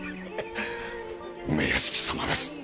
梅屋敷様です